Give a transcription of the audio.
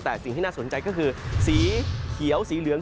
แต่สิ่งที่น่าสนใจก็คือสีเขียวสีเหลือง